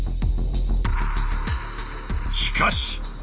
しかし！